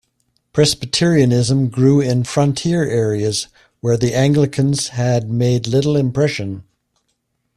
Presbyterianism grew in frontier areas where the Anglicans had made little impression.